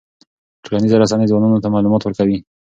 ټولنیزې رسنۍ ځوانانو ته معلومات ورکوي.